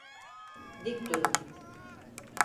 Dik durun.